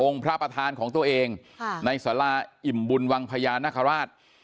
องค์พระประธานของตัวเองในศาลาอิมบุญวังพญาณคราช